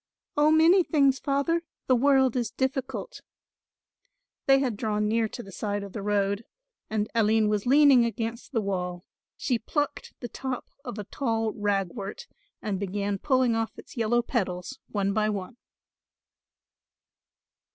"Oh, many things, Father; the world is difficult." They had drawn near to the side of the road and Aline was leaning against the wall; she plucked the top of a tall ragwort and began pulling off its yellow petals one by one.